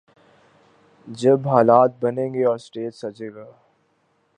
جب حالات بنیں گے اور سٹیج سجے گا۔